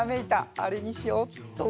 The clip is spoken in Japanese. あれにしようっと！